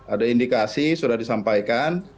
ada indikasi sudah disampaikan